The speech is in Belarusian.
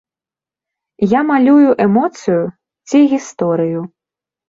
Я малюю эмоцыю ці гісторыю.